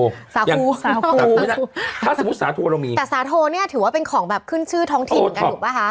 สาคูสาคูนะถ้าสมมุติสาโทเรามีแต่สาโทเนี่ยถือว่าเป็นของแบบขึ้นชื่อท้องถิ่นเหมือนกันถูกป่ะคะ